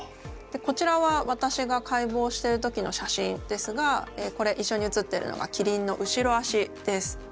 こちらは私が解剖している時の写真ですがこれ一緒に写ってるのがキリンの後ろ足です。